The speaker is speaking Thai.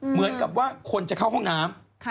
เหมือนกับว่าคนจะเข้าห้องน้ำ